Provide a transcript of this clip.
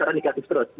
terus dia akan mengambil